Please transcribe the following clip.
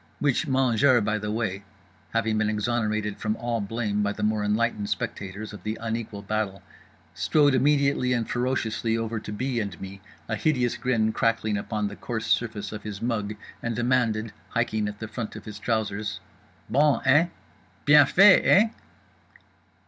Which mangeur, by the way (having been exonerated from all blame by the more enlightened spectators of the unequal battle) strode immediately and ferociously over to B. and me, a hideous grin crackling upon the coarse surface of his mug, and demanded—hiking at the front of his trousers— "_Bon, eh? Bien fait, eh?